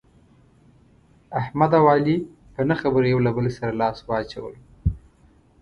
احمد او علي په نه خبره یو له بل سره لاس واچولو.